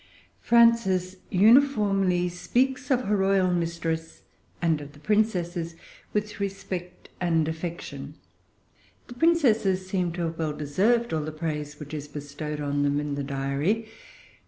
Frances uniformly speaks of her royal mistress, and of the princesses, with respect and affection. The princesses seem to have well deserved all the praise which is bestowed on them in the Diary.